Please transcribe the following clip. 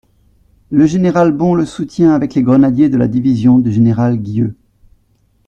Le général Bon le soutient avec les grenadiers de la division du général Guieux.